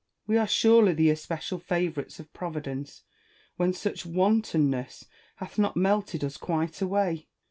We are surely the especial favourites of Providence, when such wantonness hath not melted us quite away.